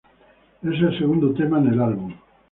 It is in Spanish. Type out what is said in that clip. Es el segundo tema en el álbum.